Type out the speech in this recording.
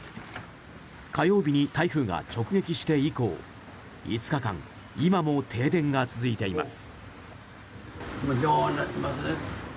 火曜日に台風が直撃して以降５日間今も停電が続いています。